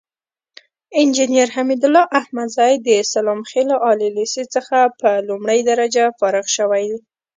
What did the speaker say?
انجينر حميدالله احمدزى د سلام خيلو عالي ليسې څخه په لومړۍ درجه فارغ شوى.